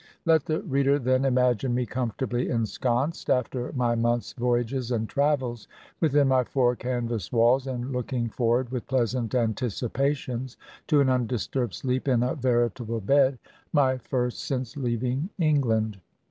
Let the reader, then, imagine me comfortably ensconced, after my month's voyages and travels, within my four canvas walls, and looking forward with pleasant anticipations to an undisturbed sleep in a veritable bed — my first since leaving England.